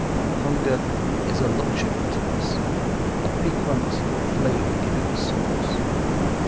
Hunger is a luxury to us, a piquant, flavor giving sauce.